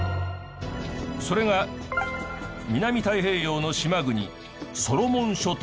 それが南太平洋の島国ソロモン諸島。